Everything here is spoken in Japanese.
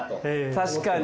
確かに！